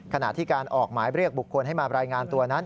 ขณะที่การออกหมายเรียกบุคคลให้มารายงานตัวนั้น